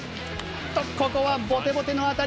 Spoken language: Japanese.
ここはボテボテの当たり。